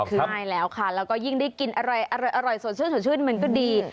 ใช่แล้วค่ะแล้วก็ยิ่งได้กินอะไรอร่อยสดชื่นมันก็ดี